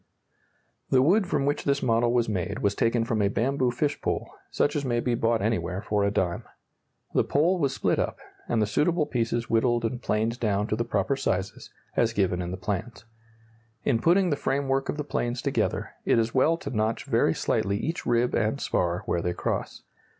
] The wood from which this model was made was taken from a bamboo fish pole, such as may be bought anywhere for a dime. The pole was split up, and the suitable pieces whittled and planed down to the proper sizes, as given in the plans. In putting the framework of the planes together, it is well to notch very slightly each rib and spar where they cross.